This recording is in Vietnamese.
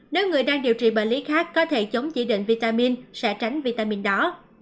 nếu người đang điều trị bệnh lý khác có thể chống chỉ định vitamin sẽ tránh vitamin đó